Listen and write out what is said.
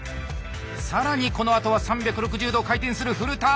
更にこのあとは３６０度回転する「フルターン」。